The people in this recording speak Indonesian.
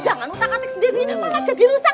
jangan lupa katek sendiri mana jadi rusak